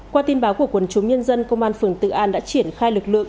qua tin báo của quần chúng nhân dân công an phường tự an đã triển khai lực lượng